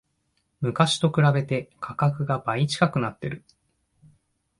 昔と比べて価格が倍近くなってる